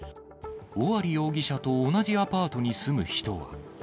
尾張容疑者と同じアパートに住む人は。